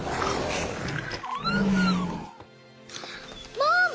ママ！